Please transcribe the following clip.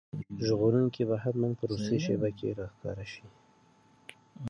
ژغورونکی به حتماً په وروستۍ شېبه کې راښکاره شي.